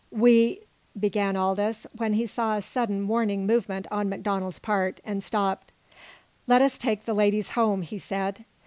"We " began Aldous, when he saw a sudden warning movement on MacDonald's part, and stopped. "Let us take the ladies home," he said.